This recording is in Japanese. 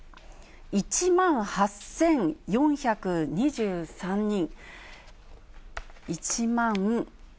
１万８４２３人。